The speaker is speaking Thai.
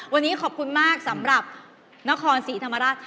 วันนี้ขอบคุณมากสำหรับนครศรีธรรมราช